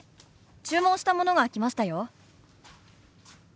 注文したものが来ましたよ。